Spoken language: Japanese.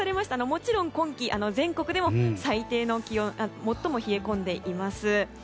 もちろん、今季全国で最も冷え込んでいます。